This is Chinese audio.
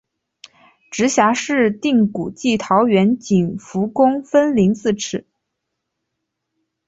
直辖市定古迹桃园景福宫分灵自此。